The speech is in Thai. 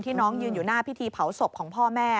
น้องยืนอยู่หน้าพิธีเผาศพของพ่อแม่